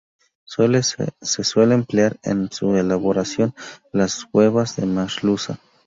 Se suele emplear en su elaboración las huevas de merluza.